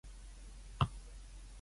亂咁噏當秘笈